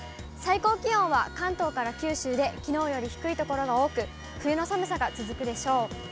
最高気温は関東から九州できのうより低い所が多く、冬の寒さが続くでしょう。